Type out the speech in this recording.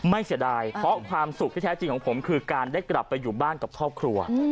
เสียดายเพราะความสุขที่แท้จริงของผมคือการได้กลับไปอยู่บ้านกับครอบครัว